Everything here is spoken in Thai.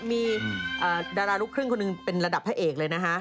มีดาราลูกครึ่งคนหนึ่งเป็นระดับพระเอกเลยนะฮะ